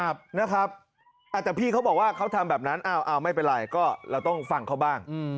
แต่พี่เขาบอกว่าเขาทำแบบนั้นไม่เป็นไรก็เราต้องฟังเขาบ้าง